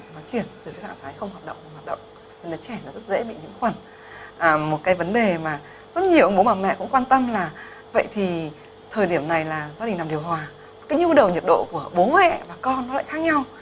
nó chuyển từ cái trạng thái không hoạt động không hoạt động nên là trẻ nó rất dễ bị nhiễm khuẩn một cái vấn đề mà rất nhiều bố bà mẹ cũng quan tâm là vậy thì thời điểm này là gia đình làm điều hòa cái nhu đầu nhiệt độ của bố mẹ và con nó lại khác nhau